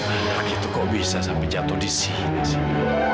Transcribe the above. anak itu kok bisa sampai jatuh di sini sih